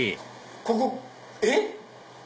ここえっ？